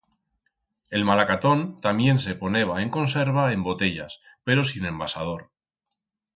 El malacatón tamién se poneba en conserva en botellas, pero sin envasador.